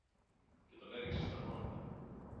και τον έριξε στα γόνατα.